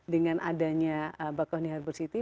dengan adanya bakohni harbor city